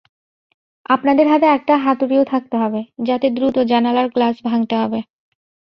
আপনাদের হাতে একটা হাতুড়িও থাকতে হবে, যাতে দ্রুত জানালার গ্লাস ভাঙতে হবে।